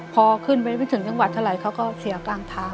พอขึ้นไปไม่ถึงจังหวัดเท่าไหร่เขาก็เสียกลางทาง